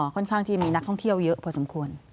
ค่อนข้างที่มีนักท่องเที่ยวเยอะพอสมควร